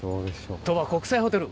鳥羽国際ホテル。